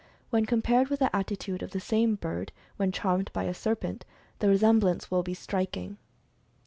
When compared with the attitude of the same bird, when charmed by a serpent, the resemblance will be striking.